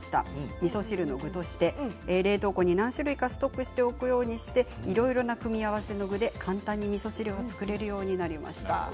みそ汁の具として冷凍庫で何種類かストックしておくようにしていろいろな組み合わせの具で簡単にみそ汁を作れるようになりました。